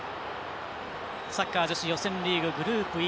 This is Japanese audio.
サッカー女子予選リーググループＥ